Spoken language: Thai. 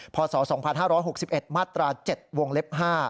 พศ๒๕๖๑มาตรา๗วงเล็บ๕